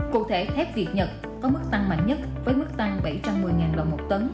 cụ thể thép việt nhật có mức tăng mạnh nhất với mức tăng bảy trăm một mươi đồng một tấn